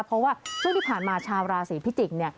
เพราะว่าช่วงที่ผ่านมาชาวราศีพิจิกษ์